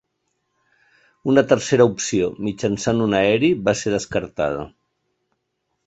Una tercera opció, mitjançat un aeri, va ser descartada.